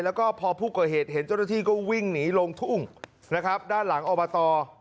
แล้วก็พอผู้ก่อเหตุเห็นเจ้าหน้าที่ก็วิ่งหนีลงทุ่งนะครับด้านหลังอบต